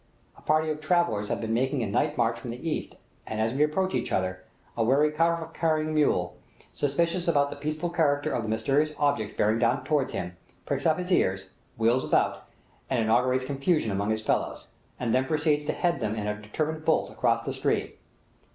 A party of travellers have been making a night march from the east, and as we approach each other, a wary kafaveh carrying mule, suspicious about the peaceful character of the mysterious object bearing down toward him, pricks up his ears, wheels round, and inaugurates confusion among his fellows, and then proceeds to head them in a determined bolt across the stream.